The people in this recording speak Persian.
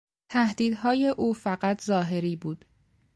تهدیدهای او فقط ظاهری بود.